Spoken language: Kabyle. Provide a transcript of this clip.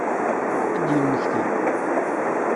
Ad yemmekti?